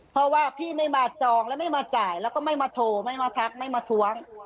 เพราะว่าพี่ไม่มาจองแล้วไม่มาจ่ายแล้วก็ไม่มาโทรไม่มาทักไม่มาท้วง